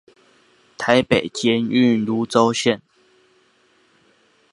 台北捷運蘆洲線